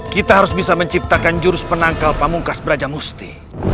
kita harus bisa menciptakan jurus penangkal pamungkas brajamusti